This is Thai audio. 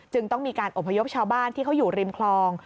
ต้องมีการอบพยพชาวบ้านที่เขาอยู่ริมคลอง